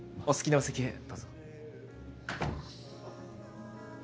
お好きなお席へどうぞ。